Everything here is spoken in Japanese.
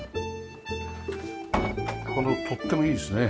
この取っ手もいいですね。